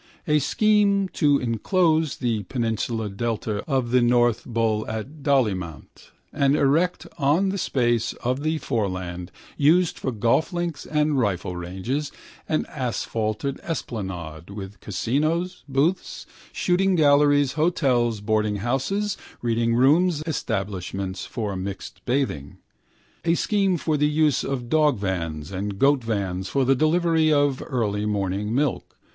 A scheme to enclose the peninsular delta of the North Bull at Dollymount and erect on the space of the foreland, used for golf links and rifle ranges, an asphalted esplanade with casinos, booths, shooting galleries, hotels, boardinghouses, readingrooms, establishments for mixed bathing. A scheme for the use of dogvans and goatvans for the delivery of early morning milk.